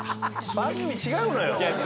番組違うのよ。